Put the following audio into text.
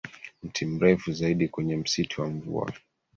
mti mrefu zaidi kwenye msitu wa mvua